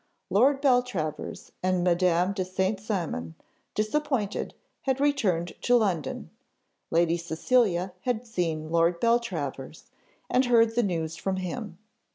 Lord Beltravers and Madame de St. Cymon, disappointed, had returned to London; Lady Cecilia had seen Lord Beltravers, and heard the news from him.